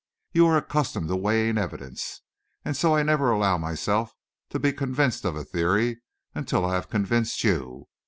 You are accustomed to weighing evidence; and so I never allow myself to be convinced of a theory until I have convinced you.